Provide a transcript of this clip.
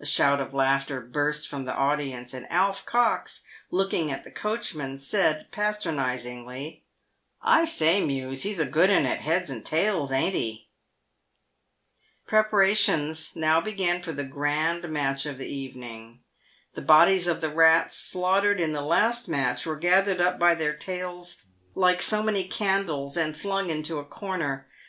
A shout of laughter burst from the audience, and Alf Cox, looking at the coachman, said patronisingly, " I say, Mews, he's a good 'un at heads and tails, ain't he ?" Preparations now began for the grand match of the evening. The bodies of the rats slaughtered in the last match were gathered up by their tails like so many candles, and flung into a corner.